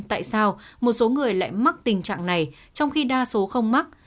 tại sao một số người lại mắc tình trạng này trong khi đa số không mắc